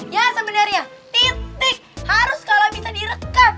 ya sebenarnya titik harus kalau bisa direkam